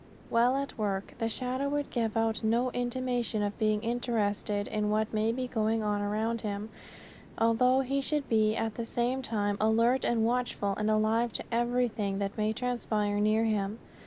While at work the shadow should give out no intimation of being interested in what may be going on around him, although he should be at the same time alert and watchful and alive to everything that may transpire near him.